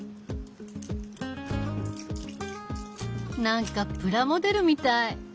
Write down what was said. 何かプラモデルみたい。